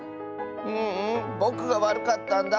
ううんぼくがわるかったんだ。